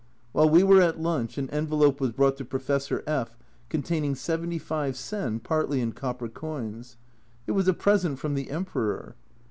While we were at lunch an envelope was brought to Professor F containing 75 sen, partly in copper coins. It was a present from the Emperor